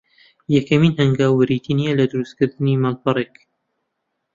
یەکەمین هەنگاو بریتی نییە لە درووست کردنی ماڵپەڕێک